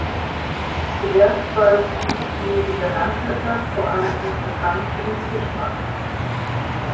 Zuerst war das Gebiet neben der Landwirtschaft vor allem interessant für den Fischfang.